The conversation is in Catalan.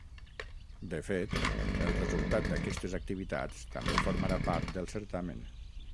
De fet, el resultat d’aquestes activitats també formarà part del certamen.